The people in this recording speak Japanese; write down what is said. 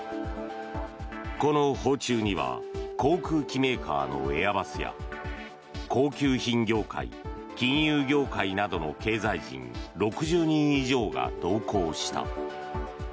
この訪中には航空機メーカーのエアバスや高級品業界金融業界などの経済人６０人以上が同行した。